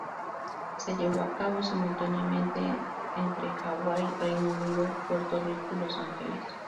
Se llevó a cabo simultáneamente entre Hawái, Reino Unido, Puerto Rico y Los Ángeles.